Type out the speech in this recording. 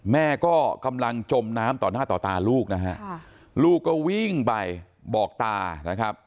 แม่ก็กำลังจมนำต่อหน้าต่อตามนึกลูกก็วิ่งไปบอกตา